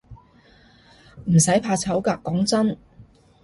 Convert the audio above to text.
唔使怕醜㗎，講真